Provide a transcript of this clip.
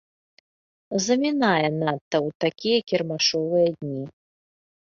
Замінае надта ў такія кірмашовыя дні.